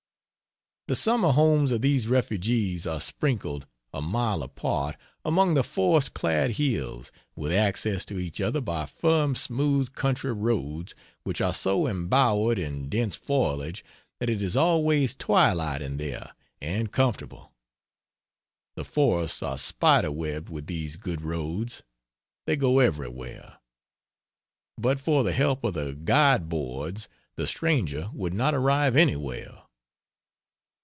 The summer homes of these refugees are sprinkled, a mile apart, among the forest clad hills, with access to each other by firm smooth country roads which are so embowered in dense foliage that it is always twilight in there, and comfortable. The forests are spider webbed with these good roads, they go everywhere; but for the help of the guide boards, the stranger would not arrive anywhere.